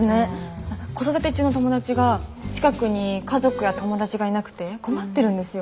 子育て中の友達が近くに家族や友達がいなくて困ってるんですよ。